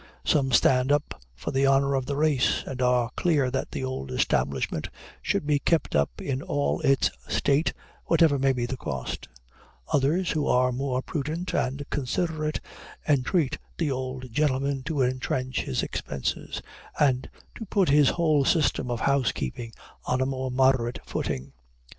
Some stand up for the honor of the race, and are clear that the old establishment should be kept up in all its state, whatever may be the cost; others, who are more prudent and considerate, entreat the old gentleman to retrench his expenses, and to put his whole system of housekeeping on a more moderate footing.